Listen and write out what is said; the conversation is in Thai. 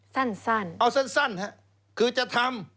สั้นนะฮะเอาสั้นคือจะทำ